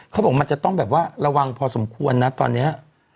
เขาบอกมันจะต้องแบบว่าระวังพอสมควรนะตอนนี้